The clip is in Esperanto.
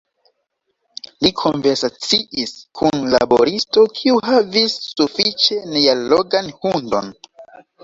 Li konversaciis kun laboristo, kiu havis sufiĉe neallogan hundon.